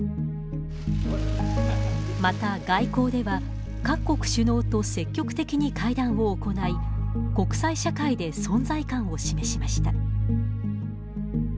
また、外交では各国首脳と積極的に会談を行い国際社会で存在感を示しました。